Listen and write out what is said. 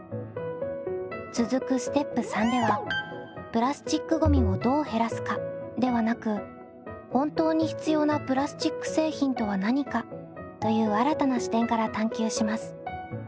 続くステップ③ではプラスチックごみをどう減らすかではなく本当に必要なプラスチック製品とは何かという新たな視点から探究します。